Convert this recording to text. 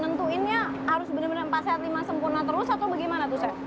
nentuinnya harus bener bener paser lima sempurna terus atau bagaimana tuh chef